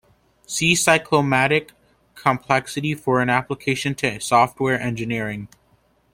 See cyclomatic complexity for an application to software engineering.